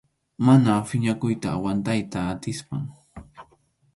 Mana phiñakuyta aguantayta atispam.